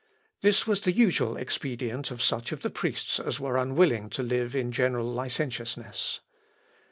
This was the usual expedient of such of the priests as were unwilling to live in general licentiousness.